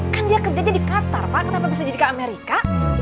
kan dia kerjanya di qatar pak kenapa bisa jadi ke amerika